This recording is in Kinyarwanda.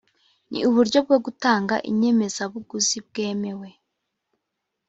ni uburyo bwo gutanga inyemezabuguzi bwemewe